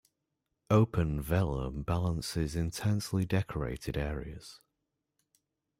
Open vellum balances intensely decorated areas.